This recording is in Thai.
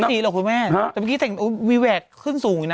สิทธิแล้วคุณแม่แต่เมื่อกี้แต่งวีแวกขึ้นสูงนะ